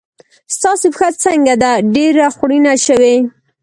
ستاسې پښه څنګه ده؟ ډېره خوړینه شوې.